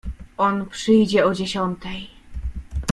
"On przyjdzie o dziesiątej."